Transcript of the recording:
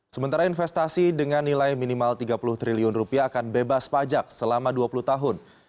sementara investasi dengan nilai minimal tiga puluh triliun rupiah akan bebas pajak selama dua puluh tahun